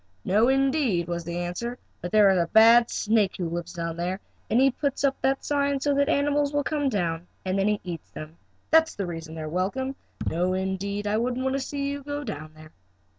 "No, indeed," was the answer, "but there is a bad snake who lives down there, and he puts up that sign so the animals will come down, and then he eats them. That's the reason he says they are welcome. No, indeed, I wouldn't want to see you go down there!"